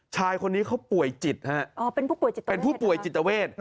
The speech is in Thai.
ชายคนนี้เขาป่วยจิตเป็นผู้ป่วยจิตเวท